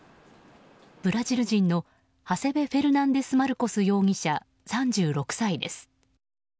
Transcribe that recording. ブラジル人のハセベ・フェルナンデス・マルコス容疑者３６歳です。